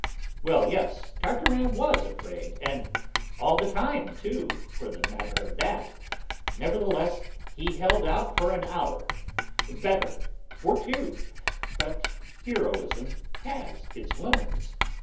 Well, yes, Tartarin was afraid, and all the time, too, for the matter of that. Nevertheless, he held out for an hour; better, for two; but heroism has its limits.